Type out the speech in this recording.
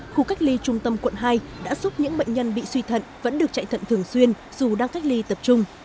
khu cách ly trung tâm quận hai đã giúp những bệnh nhân bị suy thận vẫn được chạy thận thường xuyên dù đang cách ly tập trung